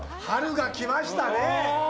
春が来ましたね。